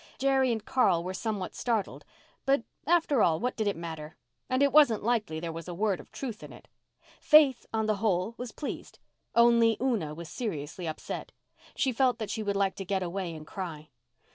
Jerry and Carl were somewhat startled. But, after all, what did it matter? And it wasn't likely there was a word of truth in it. Faith, on the whole, was pleased. Only Una was seriously upset. She felt that she would like to get away and cry.